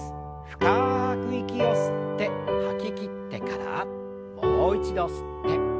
深く息を吸って吐ききってからもう一度吸って吐きましょう。